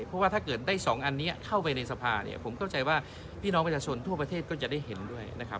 เพราะว่าถ้าเกิดได้๒อันนี้เข้าไปในสภาเนี่ยผมเข้าใจว่าพี่น้องประชาชนทั่วประเทศก็จะได้เห็นด้วยนะครับ